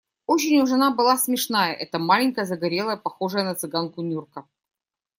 Очень уж она была смешная, эта маленькая, загорелая, похожая на цыганку Нюрка.